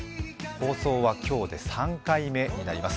放送は今日で３回目になります。